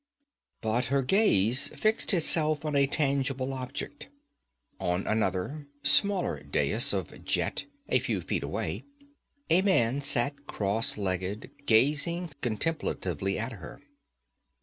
But her gaze fixed itself on a tangible object. On another, smaller dais of jet, a few feet away, a man sat cross legged, gazing contemplatively at her.